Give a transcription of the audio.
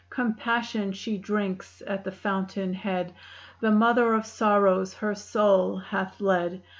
Compassion she drinks at the fountain head; The Mother of Sorrows her soul hath led.